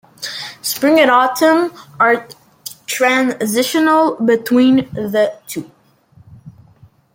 Spring and autumn are transitional between the two.